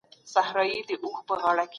مذهبي خپلواکي د انسان فطري پيدايښت دی.